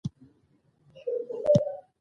خو چړې کار ونکړ